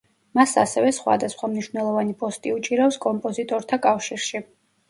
მას ასევე სხვადასხვა მნიშვნელოვანი პოსტი უჭირავს კომპოზიტორთა კავშირში.